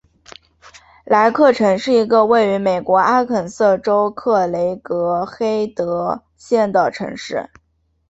莱克城是一个位于美国阿肯色州克雷格黑德县的城市。